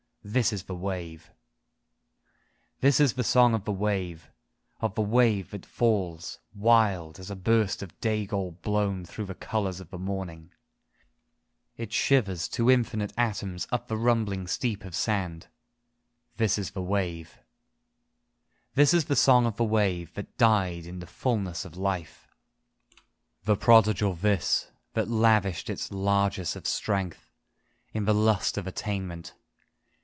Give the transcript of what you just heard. This is the wave ! VII This is the song of the wave, of the wave that falls Wild as a burst of day gold blown through the colours of morning It shivers to infinite atoms up the rumbling steep of sand. This is the wave. 9 THE SONG OF THE WAVE VIII This is the song of the wave, that died in the fulness of life. The prodigal this, that lavished its largess of strength In the lust of attainment.